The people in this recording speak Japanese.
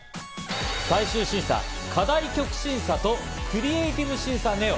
最終審査、課題曲審査とクリエイティブ審査ＮＥＯ。